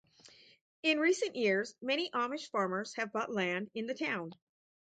In recent years many Amish farmers have bought land in the town.